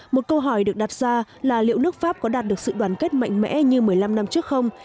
một câu hỏi được đặt ra là liệu nước pháp có đạt được sự đoàn kết mạnh mẽ như một mươi năm năm trước không